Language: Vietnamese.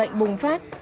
bệnh bùng phát